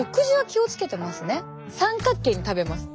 三角形に食べます。